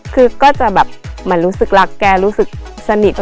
ก็จะรู้สึกรักแกรู้สึกสนิท